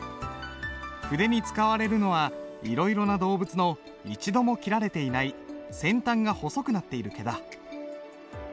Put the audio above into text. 筆に使われるのはいろいろな動物の一度も切られていない先端が細くなっている毛だ。